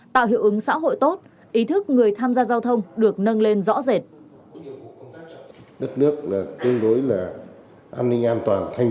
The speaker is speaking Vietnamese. tạo hiệu ứng xã hội tốt ý thức người tham gia giao thông được nâng lên rõ rệt